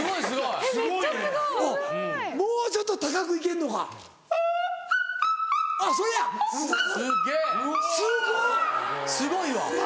すごいわ！